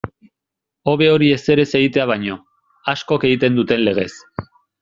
Hobe hori ezer ez egitea baino, askok egiten duten legez.